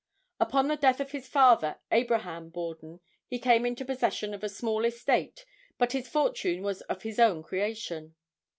Upon the death of his father Abraham Borden he came into possession of a small estate but his fortune was of his own creation.